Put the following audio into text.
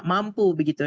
tidak mampu begitu